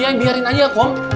iya biarin aja akom